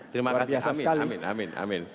terima kasih amin amin amin